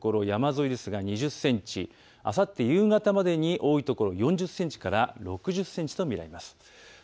山沿いですが２０センチ、あさって夕方までに多い所４０センチから６０センチと見られます。